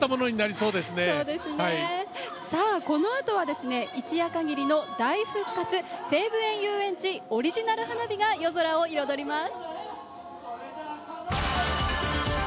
そうですね、さあ、このあとはですね、一夜限りの大復活、西武園ゆうえんちオリジナル花火が夜空を彩ります。